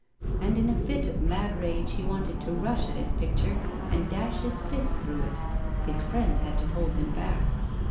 And in a fit of mad rage he wanted to rush at his picture and dash his fist through it. His friends had to hold him back.